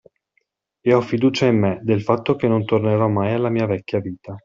E ho fiducia in me, del fatto che non tornerò mai alla mia vecchia vita.